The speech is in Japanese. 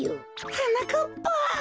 はなかっぱ。